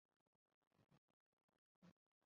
橄榄单极虫为单极科单极虫属的动物。